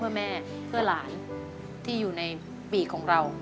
หยุดครับหยุดครับ